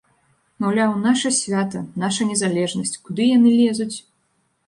Маўляў, наша свята, наша незалежнасць, куды яны лезуць?